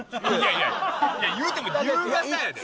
いやいや言うても夕方やで。